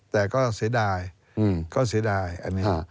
แต่ก็เสียดายอันนี้